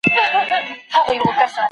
خو د کلي چوپتيا لا هم تر ټولو قوي ده.